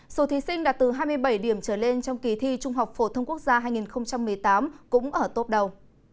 số thí sinh đạt từ hai mươi bảy điểm trở lên trong kỳ thi trung học phổ thông quốc gia hai nghìn một mươi tám cũng ở tốt đầu